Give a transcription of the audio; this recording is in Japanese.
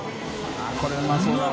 ◆舛これうまそうだな。